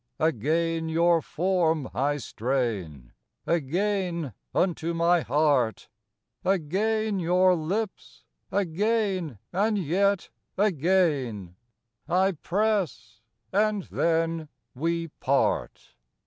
Again your form I strain, Again, unto my heart; Again your lips, again and yet again, I press ... and then we part.